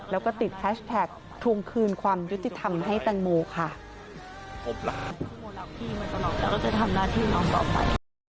แล้วก็ติดแฮชแท็กทวงคืนความยุติธรรมให้แตงโมค่ะ